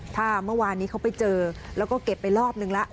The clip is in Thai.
ถ้าเมื่อวานนี้เขาไปเจอแล้วก็เก็บไปรอบนึงละ